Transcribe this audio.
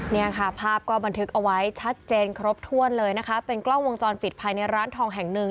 เนี่ยค่ะภาพก็บันทึกเอาไว้ชัดเจนครบถ้วนเลยนะคะเป็นกล้องวงจรปิดภายในร้านทองแห่งหนึ่ง